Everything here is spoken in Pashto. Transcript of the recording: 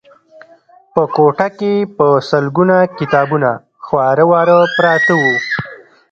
په کوټه کې په سلګونه کتابونه خواره واره پراته وو